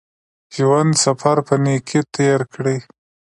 د ژوند سفر په نېکۍ تېر کړئ.